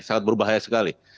sangat berbahaya sekali